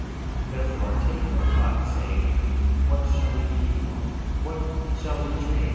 13:31 Therefore take no thought, saying, What shall we eat? or, What shall we drink?